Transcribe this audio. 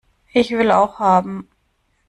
Ich will auch haben!